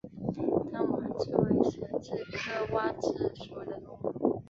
单蛙蛭为舌蛭科蛙蛭属的动物。